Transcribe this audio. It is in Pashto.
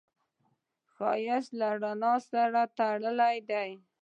ښایست له رڼا سره تړلی دی